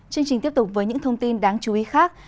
chương trình tiếp tục với những thông tin đáng chú ý khác